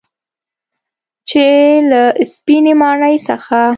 چې له سپینې ماڼۍ څخه